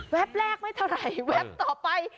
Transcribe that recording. แวบแรกไม่เท่าไรแวบต่อไป